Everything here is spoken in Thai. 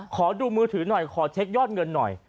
ขอดูมือถือหน่อยขอเช็คยอดเงินหน่อย